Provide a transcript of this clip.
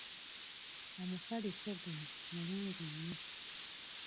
Omufaliso guno mulungi nnyo.